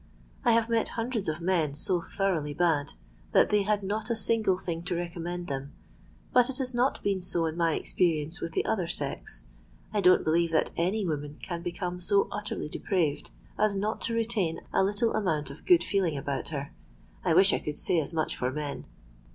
I have met hundreds of men so thoroughly bad, that they had not a single thing to recommend them: but it has not been so in my experience with the other sex. I don't believe that any woman can become so utterly depraved, as not to retain a little amount of good feeling about her. I wish I could say as much for men.